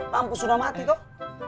lampu sudah mati kok